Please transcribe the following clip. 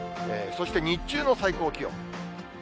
そして日中の最高気温。